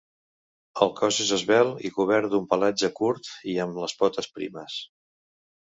El cos és esvelt i cobert d'un pelatge curt i amb les potes primes.